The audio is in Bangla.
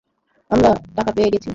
আমরা টাকা পেয়ে গেছি।